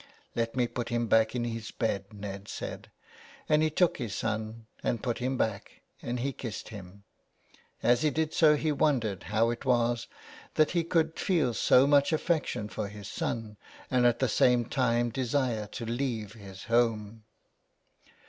" Let me put him back in his bed," Ned said, and he took his son and put him back, and he kissed him. As he did so he wondered how it was that he could feel so much affection for his son and at the same time desire to leave his home.